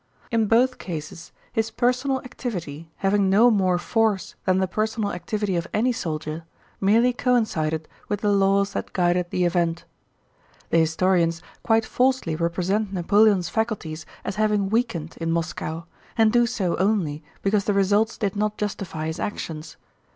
In both cases his personal activity, having no more force than the personal activity of any soldier, merely coincided with the laws that guided the event. The historians quite falsely represent Napoleon's faculties as having weakened in Moscow, and do so only because the results did not justify his actions.